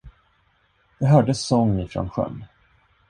Det hördes sång ifrån sjön.